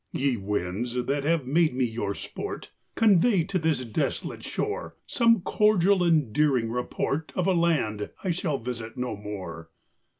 Ye winds, that have made me your sport, Convey to this desolate shore Some cordial endearing report Of a land I shall visit no more.